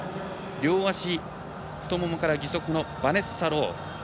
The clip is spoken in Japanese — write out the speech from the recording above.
両足太ももから義足のバネッサ・ロー。